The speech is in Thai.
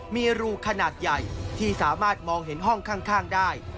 มีรูขนาดใหญ่ที่สามารถมองเห็นห้องข้างได้